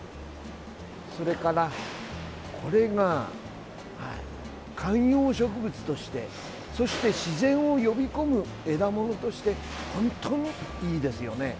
それから、これが観葉植物としてそして自然を呼び込む枝ものとして本当にいいですよね。